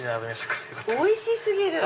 おいし過ぎる！